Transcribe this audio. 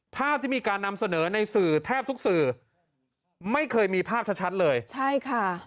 ภาพที่มีการนำเสนอในสื่อแทบทุกสื่อไม่เคยมีภาพชัดชัดเลยใช่ค่ะ